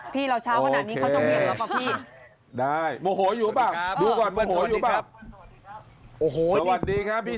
พี่เราเช้าขนาดนี้เขาจะเหมียบเราป่ะพี่